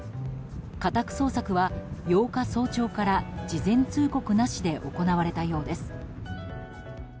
家宅捜索は８日早朝から事前通告なしで行われたようです。